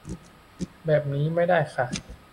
แบบนี้ไม่ได้ค่ะ